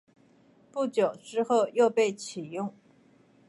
不久之后又被起用。